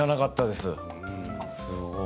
すごい。